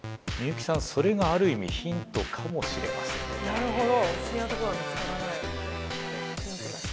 なるほど。